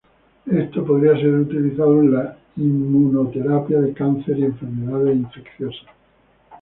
Esto podría ser utilizado en la inmunoterapia de cáncer y enfermedades infecciosas.